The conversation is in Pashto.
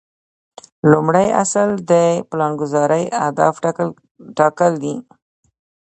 لومړی اصل د پلانګذارۍ اهداف ټاکل دي.